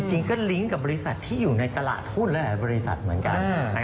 จริงก็ลิงก์กับบริษัทที่อยู่ในตลาดหุ้นหลายบริษัทเหมือนกัน